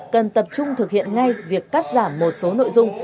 cần tập trung thực hiện ngay việc cắt giảm một số nội dung